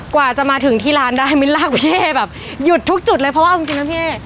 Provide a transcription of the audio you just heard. กว่าจะมาถึงที่ร้านได้มิ้นลากพี่เอ๊แบบหยุดทุกจุดเลยเพราะว่าเอาจริงนะพี่เอ๊